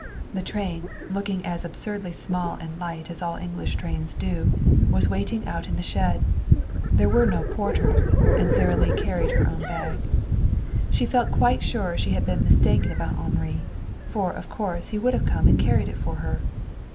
The train, looking as absurdly small and light as all English trains do, was waiting out in the shed. There were no porters, and Sara Lee carried her own bag. She felt quite sure she had been mistaken about Henri, for of course he would have come and carried it for her.